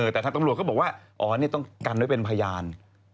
แต่ทางตำรวจก็บอกว่าอ๋อนี่ต้องกันไว้เป็นพยาน